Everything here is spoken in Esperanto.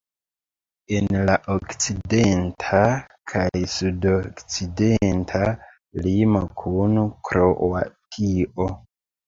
En la okcidenta kaj sudokcidenta limo kun Kroatio.